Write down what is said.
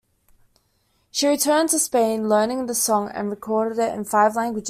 She returned to Spain, learned the song, and recorded it in five languages.